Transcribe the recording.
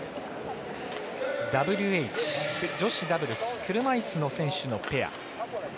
ＷＨ、女子ダブルス車いすの選手のペア。